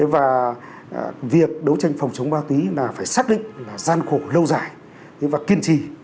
và việc đấu tranh phòng chống ma túy là phải xác định là gian khổ lâu dài và kiên trì